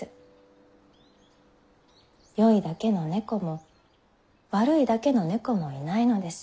よいだけの猫も悪いだけの猫もいないのです。